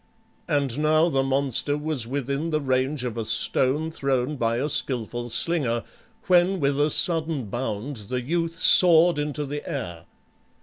And now the monster was within the range of a stone thrown by a skilful slinger, when with a sudden bound the youth soared into the air.